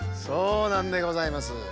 そうなんでございます。